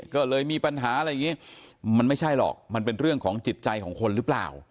ก็เลยมีปัญหาอะไรอย่างนี้มันไม่ใช่หรอกมันเป็นเรื่องของจิตใจของคนหรือเปล่า